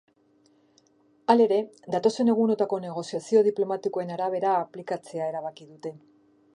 Halere, datozen egunotako negoziazio diplomatikoen arabera aplikatzea erabaki dute.